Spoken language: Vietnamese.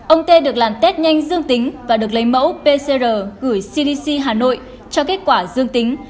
ông tê được làm test nhanh dương tính và được lấy mẫu pcr gửi cdc hà nội cho kết quả dương tính